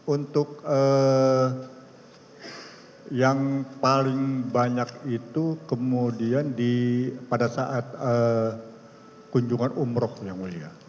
untuk yang paling banyak itu kemudian pada saat kunjungan umroh yang mulia